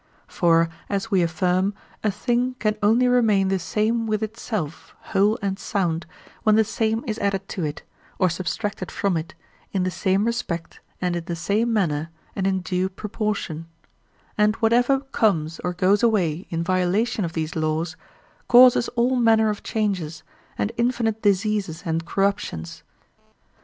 For, as we affirm, a thing can only remain the same with itself, whole and sound, when the same is added to it, or subtracted from it, in the same respect and in the same manner and in due proportion; and whatever comes or goes away in violation of these laws causes all manner of changes and infinite diseases and corruptions.